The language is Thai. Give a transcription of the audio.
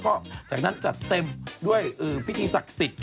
ก็จากนั้นจัดเต็มด้วยพิธีศักดิ์สิทธิ์